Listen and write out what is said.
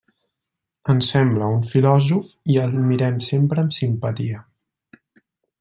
Ens sembla un filòsof i el mirem sempre amb simpatia.